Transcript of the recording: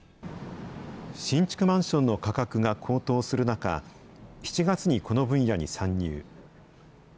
新築マンションの価格が高騰する中、７月にこの分野に参入。